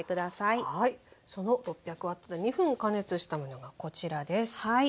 その６００Ｗで２分加熱したものがこちらです。